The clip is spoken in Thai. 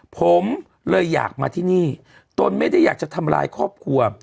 ผมเลยอยากมาที่นี่ตนไม่ได้อยากจะทำร้ายครอบครัว